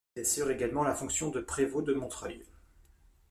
Il assure également la fonction de prévôt de Montreuil.